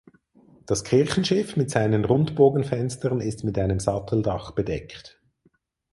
Das Kirchenschiff mit seinen Rundbogenfenstern ist mit einem Satteldach bedeckt.